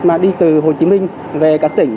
mà đi từ hồ chí minh về các tỉnh